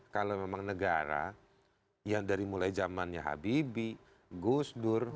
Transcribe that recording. kalau memang negara yang dari mulai zamannya habibie gusdur